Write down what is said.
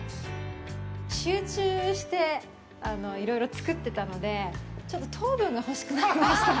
集中していろいろ作ってたのでちょっと糖分が欲しくなりました。